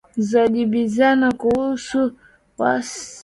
Zajibizana kuhusu waasi